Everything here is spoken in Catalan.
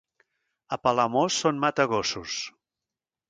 A Palamós són matagossos.